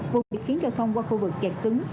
vùng bị khiến giao thông qua khu vực chẹt cứng